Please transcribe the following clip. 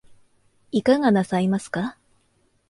いかがなさいますか